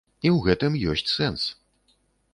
І ў гэтым ёсць сэнс.